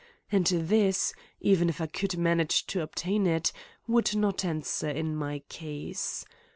And this, even if I could manage to obtain it, would not answer in my case.